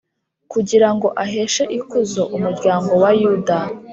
Kugira ngo aheshe ikuzo umuryango wa yuda